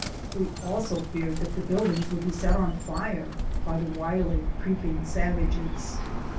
"We also feared that the buildings would be set on fire by the wily, creeping savages.